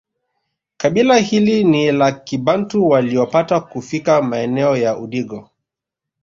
Kabila hili ni la kibantu waliopata kufika maeneo ya Udigo